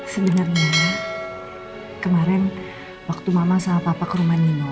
sebenernya kemaren waktu mama sama papa ke rumah nino